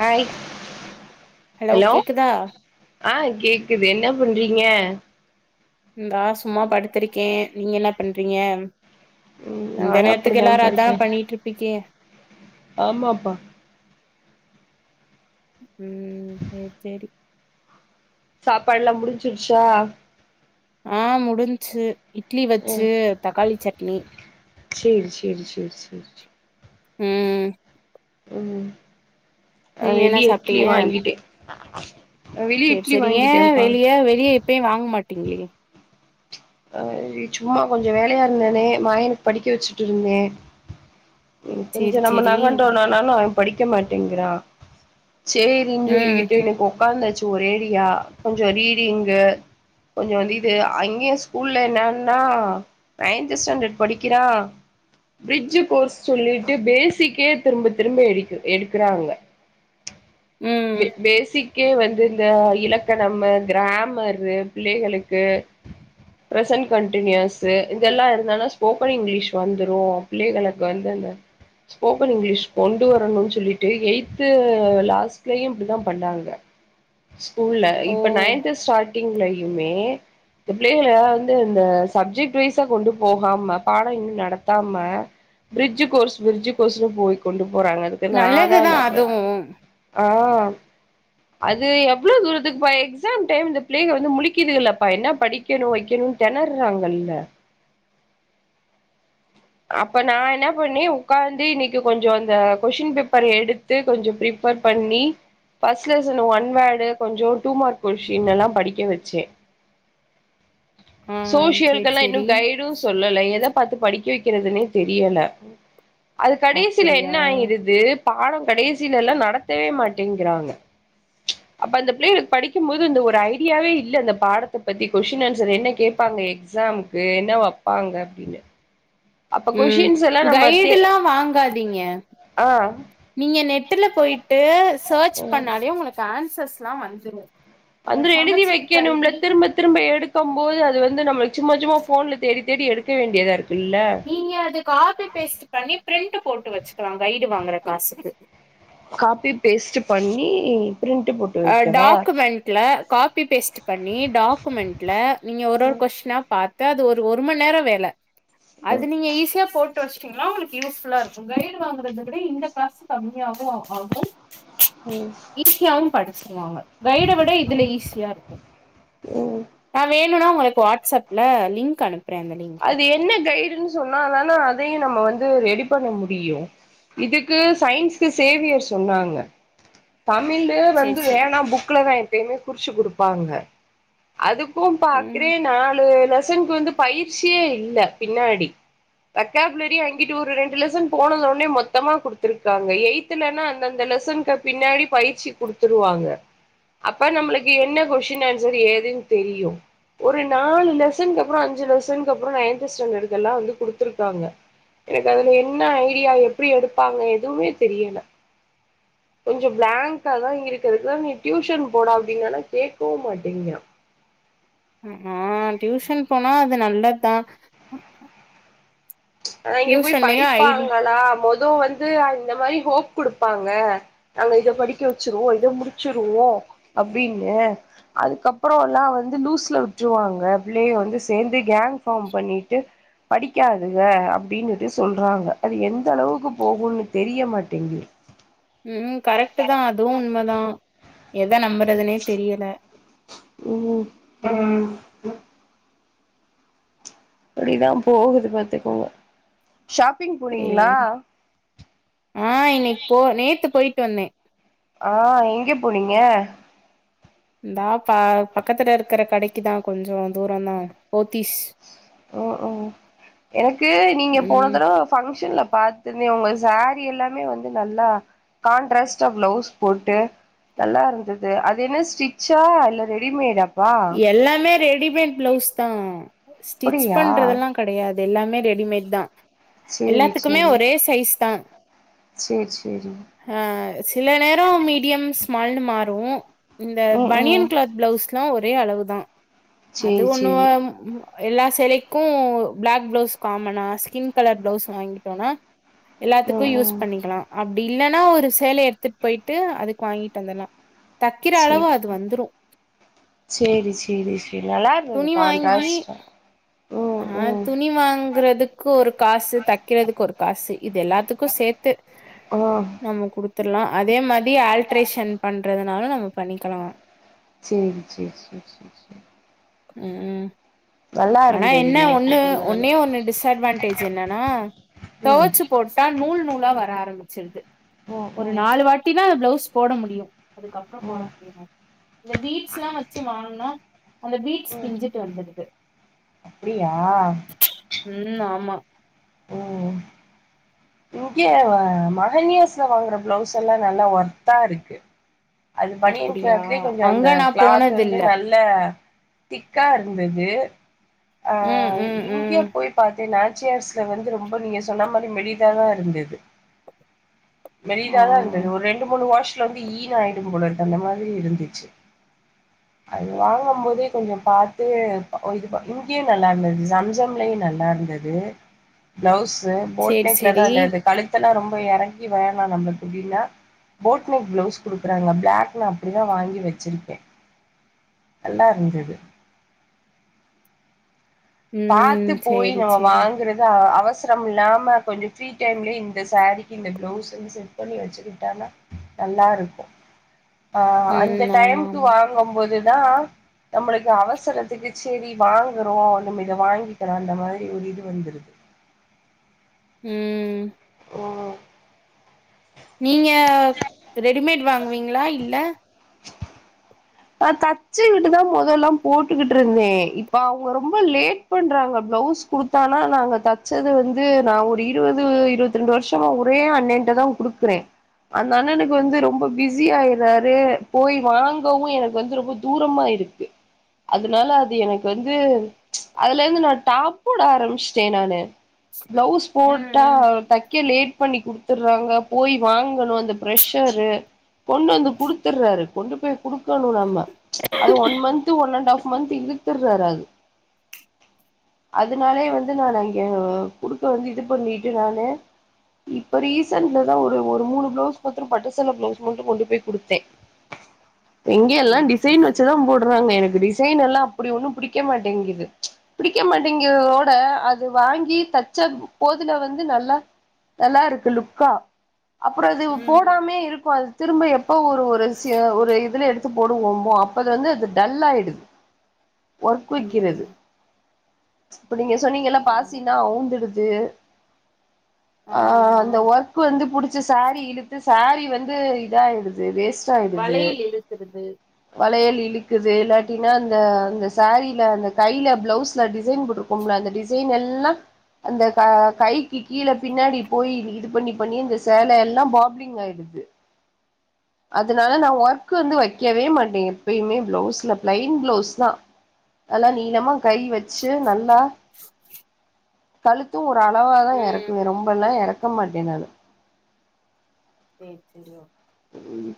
Hi hello கேக்குதா ஆஹ் கேக்குது என்ன பண்றீங்க இந்தா சும்மா படுத்திருக்கே நீங்க என்ன பண்றீங்க ம் இந்த நானு நேரத்துக்கு எல்லாரு அப்டிதான்ப்பா அதா இருக்கே பண்ணிட்டு இருப்பீக்க ஆமாப்பா உம் சேர் சேரி சாப்பாடெல்லா முடிஞ்சுடுச்சா ஆஹ் முடிஞ்சு இட்லி ம் வெச்சு தக்காளி சட்னி சேரி சேரி சேரி சேரி உம் உம் அஹ் என்ன வெளிய இட்லி வாங்கிட்ட செரி செரி ஏ வெளிய வெளிய எப்பயு வாங்க மாட்டீங்ளே அஹ் சும்மா கொஞ்சோ வேலயா இருந்தனே மயனுக்கு படிக்க வெச்சுட்டு இருந்த சேரி கொஞ்சோம் நம்ம சேரி நகண்டோனனாலு அவன் படிக்க க்க மாட்டேங்குறா சேரின்னு ம் சொல்லிகிட்டு இன்னைக்கு உக்காந்தாச்சு ஒரேடியா கொஞ்சோ ரீடிங்கு கொஞ்சோ இது அங்கியு ஸ்கூல்ல என்னன்னா நைன்த் ஸ்டான்டர்ட் படிக்கிறா ப்ரிஜ் கோர்ஸ் சொல்லிட்டு பேசிக்கே திரும்ப திரும்ப எடுக் எடுக்குறாங்க ம் பே பேசிக் கே வந்து இந்த இலக்கணம் கிராமரு பிள்ளைகளுக்கு ப்ரசன்ட் கண்டினியூஸ் இதெல்லா இருந்தனா ஸ்போக்கன் இங்கிலீஷ் வந்துரு பிள்ளைகள வந்து அந்த ஸ்போக்கன் இங்கிலீஷ் கொண்டு வரணுனு சொல்லிட்டு எய்த்து லாஸ்ட்லையு இப்டித்தா பண்ணாங்க ஸ்கூல்ல ஓ இப்ப நயின்த் ஸ்டார்ட் டிங்லயுமே இந்த பிள்ளைகள வந்து இந்த சப்ஜெக்ட் வைஸா கொண்டு போகாம பாடோ இன்னு நடத்தாம பிரிட்ஜ் கோர்ஸ் பிரிட்ஜ் கோர்ஸ்னு போய் கொண்டு போறாங்க நல்லதுதா அதுவு ஆஹ் அது எவ்ளவு தூரத்துக்குப்பா எக்ஸாம் டைம்ல இந்த பிள்ளங்க வந்து முழிக்குதுலப்பா என்ன படிக்கணு வெக்கணும்னு திணர்றாங்கல்ல அப்ப நா என்ன பண்ணே உ்காந்து இன்னைக்கு கொஞ்சோ அந்த கொஷின் பேப்பரை எடுத்து கொஞ்சோ பிரிப்பேர் பண்ணி ஃபஸ்ட் லெசன் ஒன் வோர்டு கொஞ்சோ டூ மார்க் கொஷின் எல்லா படிக்க வச்ச ஆ சேரி சோசியலுகெல்லா இன்னு சேரி கைடு சொல்லல ஏனா பாத்து படிக்க வைக்கிறதுனே தெரியல அது கடைசில அப்படியா என்ன ஆயிடுது பாடம் கடைசில எல்லா நடத்தவே மாட்டேங்கிறாங்க அப்ப அந்த பிள்ளைகளுக்கு படிக்கும்போது அ ஒரு ஐடியாவே இல்ல அந்த பாடத்த பத்தி கொஸ்டின் அன்ஸ் ச என்ன கேப்பாங்க எக்ஸாம்கு என்ன வைப்பாங்க அப்டின்னு அப்ப உம் கொஷின்ஸ் எல்லாம் நம்ம தே கைடு எல்லா வாங்காதீங்க ஆ நீங்க நெட்டுல போயிட்டு சர்ச் பண்ணாலே உங்களுக்கு ஆன்ஸ் சஸ்லாம் வந்துங்க அந்து எழுதி வைக்கணும்ல திரும்ப திரும்ப எடுக்கும் போது அது வந்து நம்மளுக்கு சும்மா சும்மா போன்ல தேடி தேடி எடுக்க வேண்டியதா இருக் நீங்க அது காபி பேஸ்ட் பண்ணி பிரிண்ட்டு போட்டு வெச்சுக்கலா கைடு வாங்குற காசுக்கு காபி பேஸ்ட்டு பண்ணி பிரிண்ட் போட்டு ஆஹ் வைக்கவா? டாக்குமெண்ட்ல காபி பேஸ்ட் பண்ணி டாக்குமெண்ட்ல நீங்க ஒரு ஒரு ஒரு கொஸ்டினா பாத் அத அது ஒரு மண்ணேர வேல ம் அது நீங்க ஈஸியா போட் ட்டு வெச்சுட்டீங்கன்னா உங்களுக் யூஸ்ஃபுல்லா இருக்கும் கைடு வாங்கிறத விட இந்த காஸ் கம்மியாகு ஆகும் ம் ஈசியாவு படி ஸ்ல்வாங்க கைட விட இதுல ஈஸியா இருக்கு ம். நா வேனு ன்னா உங்களுக்கு வாட்ஸ்அப்ல லிங்க் அனுப் அது என்ன கைடுன்னு சொன்னா தான அதையு நம்ம வந் து ரெடி பண்ண முடியு இதுக்கு சயின்ஸ்க்கு சேவியர் சொன்னாங்க தமிழு சேரி வந்து சேரி வேணாம் புக்கில தா இருக் எப்பயுமே குறிச்சு குடுப்பாங்க அது துக்கும் பாக்குற ம் நாலு லெச சனுக்கு வந்து பயிற் யிற்ச்சியே இல்ல பின்னாடி வொக்காபிலரியா அங்கிட்டு ஒரு ரெண்டு லெசன் போனதுன்னோ மொத்தமா குடுத்துருக்காங்க எய்த்துலல்லா அந்தந்த லெசனுக்கு அப் பின்னாடி பயிற்சி குடுத்துருவாங்க அப்ப நம்பளுக்கு என்ன கொஸ்சின் ஆன்சர் ஏதுனு தெரியு ஒரு நாலு லெசனுக்கப்புறம் அஞ்சு லெசன் னக்கு அப்புறம் நைன்த் ஸ்டாண்டர்ட்க்கு எல்லா வந்து குடுத்துருக்காங்க எனக்கு அதுல என்ன ஐடியா எப்பிடி எடுப்பாங்க எதுவுமே தெரியல கொஞ்சோ பிளாங்க்கா தா இருக்கு இருக்கிறதுக்கு நீ டியூசன் போடா அப்டின்னாலு கேக்கவு மாட்டீங்கிறா அ ஆஹ் டியூஷன் போனா அது நல்லத் தா அதா இங்க போய் படிப்பாங்களா மொத் க்கு வந்து இந்த மாரி ஹோப் குடுப்பாங்க நாங்க இத படிக்க வெச்சிருவோ இத முடிச்சிருவோ அப்பிடின்னு அதுக்கப்புறோ எல்லா வந்து லூஸ்ல விட்டுருவாங்க பிள்ளைக வந்து சேந்து கேங் ஃபார்ம் பண்ணிட்டு படிக்காது துக அப்பிடின்னுட்டு சொல்றாங்க அது எந்த அளவுக்கு போகும்ன்னு தெரிய மாட்டேங்கு உம் கரெக்ட்டு தா அதுவு உண்மதா த நம்புறதுன்னே தெரியல ம் அப்படிதா போகுது பாத்துக்கோங்க ஷாப்பிங் போனீங்களா ஏய் ஆஹ் இன்னைக்கு போ நேத்து பொயிட் தொன்னே ஆஹ் எங்க போனீங்க ந்தா ப பக்கத்துல இருக்கிற கடைக்குதா கொஞ்சொ தூரந்தா போத்தீஸ் ஓஹோ எனக்கு நீங்க போன ம் தடவ ஃபங்க்ஷன்ல பாத்துனே ஒங்க சாரீ எல்லாமே வந்து நல்லா கான்ட்ராஸ்ட்டா பிளவுஸ் போட்டு நல்லா இருந்துது அது என்ன ஸ்டிச்சா இல்ல ரெடிமேடா எல்லாமே ரெடிமேட் பிளவுஸ் தா ஸ்டிச் அப்படியா பண்றதெல்லா கெடயாது அது எல்லாமே ரெடிமேட்தா சேரி எல்லாத்துக்குமே சேரி ஒரே சைஸ் தான் சேரி சேரி ஆஹ் சில நேரம் மீடியம்ஸ் மல்னு மாறு இந்த ம் பனியன் ம் கிளாத் ப்ளவ்ஸ் ஸ்லா ஒரு ஒரே அளவுதா அது சேரி ஒண்ணுவ சேரி ம் எல்லா சேலைக்கு பிளாக் பிளவுஸ் காமனா ஸ்கின் கலர் பிளவுஸ் வாங்கிட்டோம்னா எல்லாத்துக்கு ம் யூஸ் ம் பண்ணிக்கலா அப் ப்டி இல்லன்னா ஒரு சேல எடுத்துட்டு போயிட்டு அதுக்கு வாங்கிட்டு வந்தர்லா தக்கிற அளவு அது சேரி வந்துரு சேரி சேரி சேரி நல்லா இருந்துது கான்ட்ராஸ்டா ம் அஹ் ம் துணி வாங்கறதுக்கு ஒரு காசு தக்கிறதுக்கொரு காசு இது எல்லாத்துக்கு சேத் து ஆ நம்ம குடுத் த்துடலா அதே மாதி ஆல்ட்ரேஷன் பண்றதுனாலு நம்ம பண்ணிக்கலா சேரி சேரி சேரி சேர் சேர் உம் ஆனா இருந்தது என்ன நீங்க ஒன்னு போட்டிருந்ததுல ஒன்னே ஒன்னு டிஸ்அட்வான்டேஜ் என்னன்னா ம் தொவச்சு போட்டா நூல் நூலா வர ஆரம்பிச்சிருது ம் ஒரு ம் நாலு வாட்டிதா பிளௌஸ் ஸ் போட முடியு அதுக்கப்பறொ போட ம் முடியுமா இந்த பீட்ஸ்ல்லா வச்சு வாங்குனா அந்த பீட்ஸ் ம் பிஞ்சிட்டு வந்தறுது அப்டியா ம் ஆமா ஓஹ் இங்கே மகன்யாஸ்ல வாங்குற பிளவுஸ் எல்லா நல்லா வர்த்தா இருக்கு அது பணியன் அப்டியா கிளாத்துலயே கொஞ்சொ அந்த அங்க நா கிளாத் வந்து போனதில்ல நல்ல திக்கா இருந்தது ம் அஹ் ம் இங்கே ம் போய் பாத்தீன்னா சியாஸ்ல வந்து ரொம்ப நீங்க சொன்ன மாரி மெலி சாதா இருந்தது ஆ மெலிசாதா இருந்தது ஒரு ரெண்டு மூணு வாஷ் டுல வந்து ஈண ஆயிடும் போல இருக்கு அந்த மாதிரி இருந்துச்சு அது வாங்கும் போதே கொஞ்சொ பாத்து ஒ இது ப இங்கியு நல்லா இருந்தது சம்சம்லயு நல்லா இருந்தது பிளவுஸ் ஸு போட் சேரி துலதா சேரி அது அது கலெக்ட் பண்ணா ரொம்ப எறக்கி வேணா நம்பக்கு இப்டின்னா போட்நெக் பிளவுஸ் குடுக்குறாங்க பிளாக் நா அப்டிதா வாங்கி வச்சிருக்கே நல்லா இருந்தது பாத்து ம் போய் சேரி நம்ம சேரி வாங்குறத அ அவச் சரம் இல்லாம கொஞ்சொ ஃப்ரீ டைம்லயே இந்த சாரீக்கு இந்த பிளவுஸுன்னு செட் பண்ணி வச்சுக்கிட்டானா நல்லா இருக்கு ஆஹ் அந்த ம் ஆமா டைம்கு ஆமா வாங்கம்போது நா நம்மளுக்கு அவசரத்துக்கு சேரி வாங்குறோ நம்ம இத வாங்கிக்கலா அந்த மாரி ஒரு இது வந்துடுது உம் போ நீங்க ரெடிமேட் வாங்குவீங்களா இல்ல நா தச்சுவிட்டு தா முதல்லா போட்டுகுட்டு இருந்தே இப்ப அவங்க ரொம்ப லேட் பண்றாங்க பிளவுஸ் குடுத்தானா நாங்க தச்சது வந்து நா ஒரு இருவது இருவத்து ரெண்டு வருஷமா ஒரே அண்ணேன்ட்டதா குடுக்குறேன் அந்த அண்ணனுக்கு வந்து ரொம்ப பிஸி ஆயிறாரு போய் வாங்கவு எனக் வந்து ரொம்ப தூரமா இருக்கு அதுனால அது எனக்கு வந்து அதுல இருந்து நா டாப்போட ஆரம்பிச்சட்டே நானு ப்ளவுஸ் ம் போட்டா ம் தைக்க லேட் பண்ணி குடுத்துடுறாங்க போய் வாங்கணு அந்த ப்ரஷரு கொண்டு வந்து குடுத்துடுறாரு கொண்டு போய் குடுக் கனு நம்ம அது one month one and half month இழுதுரு வராரு அதுனாலயை வந்து நானு அங்க கொடுக்க வந்து இது பண்ணிட்டு நானே இப்ப ரீசன்ட்லதா ஒரு ஒரு மூணு பிளவுஸ் குடுத்துட்டு பட்டுசேல பிளவுஸ் மட்டு கொண்டு போய் குடுத்தே எங்க எல்லா சேரி சேரி டிசைன் சேரி வச்சுதா போடுறாங்க எனக் டிசைன் எல்லா அப்டி ஒண்ணு பிடிக்க மாட்டேங்குது பிடிக்க மாட்டேங்குதோட அது வாங்கி தச்ச போதுல வந்து நல்லா நல்லா இருக்கு லுக்கா அப்புறோ அது ம் போடாமயே இருக்கோ அது திரும்ப எப் இப்ப ஒரு ஒரு சி ஒரு இதுல எடுத்து போடுவோமோ அப்பது வந்து அது டல் ஆயிடுது ம் ஒர்க்விக்கிறது இப்ப நீங்க சொன்னீங்கல்ல ஆமாமா பாசினா அவுந்துடு தே ஆஹ் அ ஆமாமா அந்த ஒர்க்கு வந்து புடிச்சு சாரீ இழுத்து சாரீ ப்டி வந்து இதா ஆடுது வேஸ் வலையில் இருத்து தே லையல் இழுக்குது இல்லாட்டனா அந்த அந்த சாரீல அந்த கையில பிளவுஸ்ல டிசைன் போட்டிருக்கோம்ல அந்த டிசைன் எல்லாம் அந்த க கைக்கு கீழே பின்னாடி போய் இது பண்ணி பண்ணி இந்த சேல எல்லாம் பாப்ங் ஆயிடுது அதனால நா ஒர்க் கு வந்து வைக்கவே மாட்டேங்க எப்பயுமே பிளவுஸ்ல பிளைன் பிளவுஸ் தான் நல்லா நீளமா கை வச்சு நல்லா கழுத்து ஒட் அளவா தா ம் எறக்குவே ரொம்பல்லா எறக் கமாட்டே நானு சேரி செரி ஓகே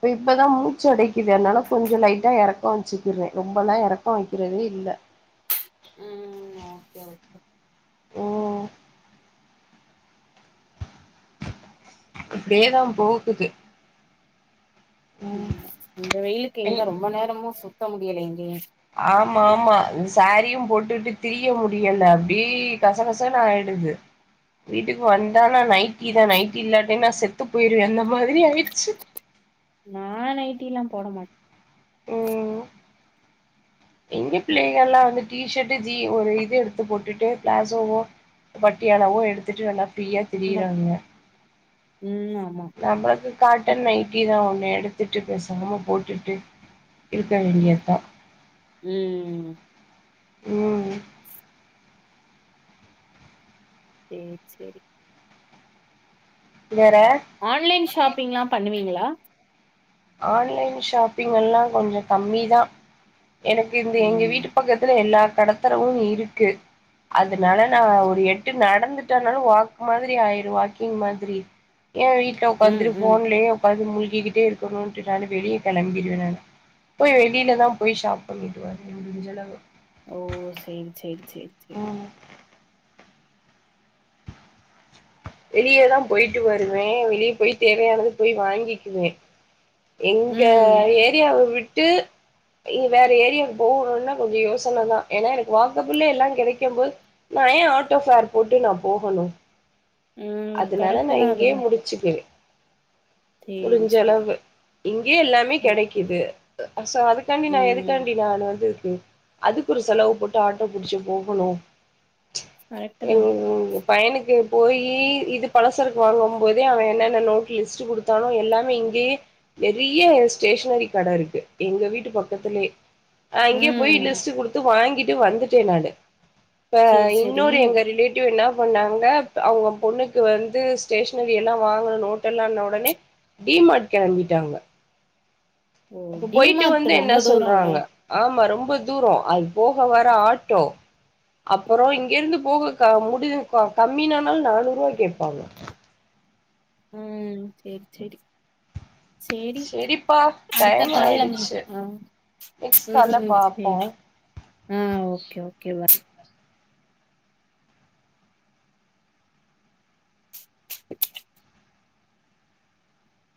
பிப்பதா மூச்சடைக் குது அதனால கொஞ்சொ லைட்டா எறக் லாங் ச்சுக்கிறே ரொம்பல்லா எறக்கோ வெக்கிறதே இல்ல ம் ஓகே ஓகே ம் அப்டியேதா போகுது ம் உம் இந்த வெயிலுக்கு எங்க ரொம்ப நேரமு சுத்த முடியலையேங் யே ஆமாமா இந்த சாரீயும் போட்டுட்டு திரிய முடியல அப்டீ கசகசனாயிடுது வீட்டுக் வந்தா நா நைட் டி தா நைடில்லாடி நா செத் த்து போயிருவே அந்த மார் நா நைட்டிலா ப் போடமாட் ம் எங்க பிள்ளைகலா வந்து டீஷர்ட்டு ஜீ ஒரு இது எடுத்து போட்டுட்டு ப்ளாசோவோ பட்டியாலாவோ எடுத்துட்டு நல்லா ஃப்ரீயா இந்தோ திரியிறாங்க ம் ஆமா நம்மளுக்கு காட்டன் நைட்டி தா ஒண்ணு எடுத்துட்டு பேசாம போட்டுட்டு இருக்க வேண்டியதா ம் உம் சேர் செரி வேற ஆன்லைன் ஷாப்பிங்லா பண்ணுவீங்ளா ஆன்லைன் ஷாப்பிங் எல்லாங் கொஞ்சொ கம்மிதா எனக்கு இந்த எங்க ம் வீட்டு பக்கத்துல எல்லா கடத்தறவும் இருக்கு அதுனால நா ஒரு எட்டு நடந்துட்டனாலு வாக் மாதிரி ஆயிரு வாக்கிங் மாதிரி ஏன் வீட்ல ம் உக்காந்துடு ம் ஃபோன்லயே உக்காந்து முல் கி கிட்டு க்கனுன்ட்டு நானு வெளிய கெளம்பிருவ நானு போய் வெளியில தா போய் ஷாப் பண்ணீட்டு வருவ முடிஞ்சளவு ஓ சேரி சேரி சேரி சேரி ம் வெளியதா போய்ட்டு வருவேன் வெளிய போய் தேவையானது போய் வாங்கிக்குவே எங்க ம் ஏரியாவ விட் ட்டு இ வேற ஏரியாக்கு போகணுன்னா கொஞ்சொ யோசன தா ஏன்னா எனக்கு வாக்கப்புள்ளே எல்லாங் கெடைக்கம் போது நா ஏன் ஆட்டோ ஃபேர் போட்டு நா போஹனு ம் அதுனால கரெக்ட்டு நா தா இங்கயே அதுவு முடிச்சுக்குவே சேரி சேரி முடிஞ்சளவு இங்கயே எல்லாமே ஓ கெடைக்குது அ சோ அதுக்காண்டி நா ம் எதுக்காண்டி நானு வந்து அதுக்கு ஒரு செலவு போட்டு ஆட்டோ புடிச்சு போகணு கரெக்ட்டு தா உம் உஹ்ம் பையனுக்கு போயி இது பலசருக்கு வாங்கு போதே அவ என்னென்னமோ லிஸ்ட் குடுத்தா எல்லாமே இங்யே பெரிய ஒரு ஸ்டேஷனரி கட இருக்கு எங்க வீட்டு பக்கத்லே அங்கியு போய் ம் லிஸ்ட் குடுத்து வாங்கிட் ட்டு வந்துட்டே நானு இப்போ சேரி சேரி இன்னொரு எங்க ரிலேட்டிவ்ல பண்ணாங்க அவங்க பொண்ணுக் வந்து ஸ்டேஷனரி எல்லா வாங்குண நோட் எல்லா ஒடனே டி மார்ட் கிளபிட்டாங்க ஓ அப்ப போயிட்டு டிமார்ட் வந்து ரொம்ப என்ன தூரோ இல்ல சொல்றாங்க ஆமா ரொம் ரொம்ப துரோ அது போக வர ஆட்டோ அப்பரோ இங்க இருந்து போக க முடிவுக்க கம்மினானாலு நானூறுவ கேட்பாங்க உஹம் சேரி சேரி சரி செரிப்பா அடுத்த டைம் கால்ல ஆயிடுச்சு உம் நெக்ஸ்ட் கால்ல சரி பாப்போ ஆஹ் ஓகே ஓகே பாய்